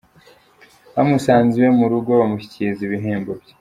Bamusanze iwe mu Rugo bamushyikiriza ibihembo bye.